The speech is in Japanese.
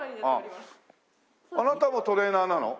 あなたもトレーナーなの？